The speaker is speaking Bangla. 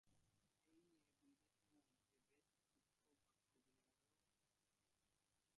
এই নিয়ে দুই দেশের মধ্যে বেশ উত্তপ্ত বাক্যবিনিময়ও হয়।